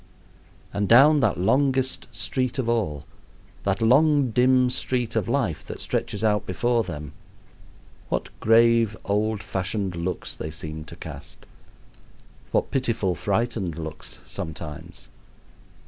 And down that longest street of all that long, dim street of life that stretches out before them what grave, old fashioned looks they seem to cast! What pitiful, frightened looks sometimes!